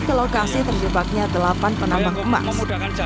ke lokasi terjebaknya delapan penambang emas